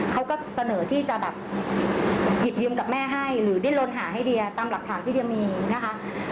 เขาก็เสนอที่จะแบบหยิบยืมกับแม่ให้หรือดิ้นลนหาให้เดียตามหลักฐานที่เดียมีนะคะ